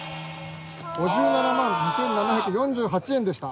５７万２，７４８円でした。